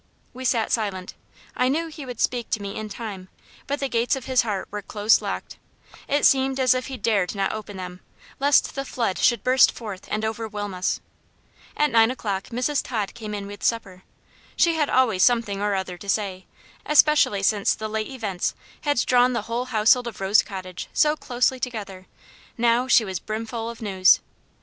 We sat silent. I knew he would speak to me in time; but the gates of his heart were close locked. It seemed as if he dared not open them, lest the flood should burst forth and overwhelm us. At nine o'clock Mrs. Tod came in with supper. She had always something or other to say, especially since the late events had drawn the whole household of Rose Cottage so closely together; now, she was brim full of news.